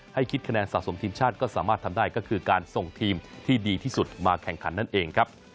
ให้คิดคะแนนสะสมทีมชาติก็สามารถทำได้ก็คือการส่งทีมที่ดีที่สุดมาแข่งขันนั่นเองครับ